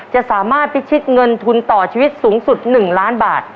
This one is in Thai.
จะสามารถพิชิตเงินทุนต่อชีวิตสูงสุด๑ล้านบาท